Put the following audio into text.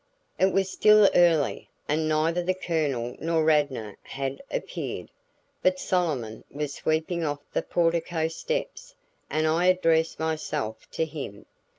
It was still early, and neither the Colonel nor Radnor had appeared; but Solomon was sweeping off the portico steps and I addressed myself to him.